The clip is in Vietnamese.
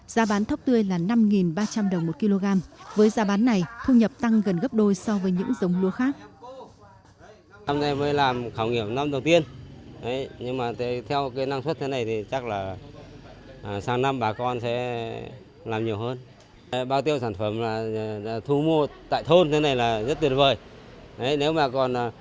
giá bán thóc tươi là năm ba trăm linh đồng một kg với giá bán này thu nhập tăng gần gấp đôi so với những giống lúa khác